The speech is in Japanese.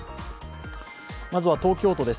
まずは東京都です。